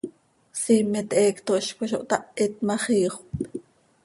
Siimet heecto hizcoi zo htahit ma, xiixöp.